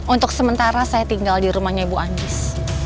untuk sementara saya tinggal di rumahnya ibu andis